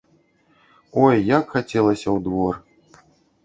Ой, як хацелася ў двор!